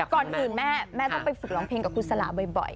ก่อนอื่นแม่แม่ต้องไปฝึกร้องเพลงกับคุณสลาบ่อย